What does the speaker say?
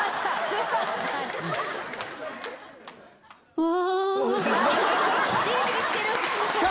うわ！